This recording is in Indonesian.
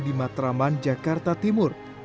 di matraman jakarta timur